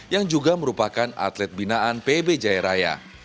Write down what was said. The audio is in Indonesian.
yang juga merupakan atlet binaan pb jaya raya